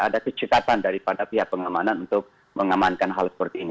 ada kecepatan daripada pihak pengamanan untuk mengamankan hal seperti ini